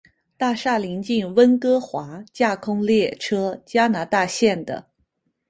大厦邻近温哥华架空列车加拿大线的。